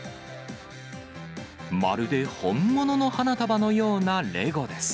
まるで本物の花束のようなレゴです。